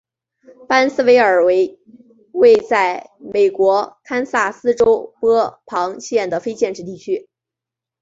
巴恩斯维尔为位在美国堪萨斯州波旁县的非建制地区。